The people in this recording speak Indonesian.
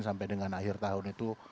sampai dengan akhir tahun itu